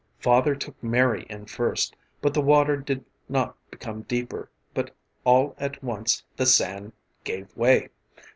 Father took Mary in first, but the water did not become deeper, but all at once the sand gave way.